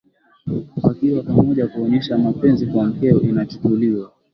wakiwa pamoja Kuonyesha mapenzi kwa mkeo inachukuliwa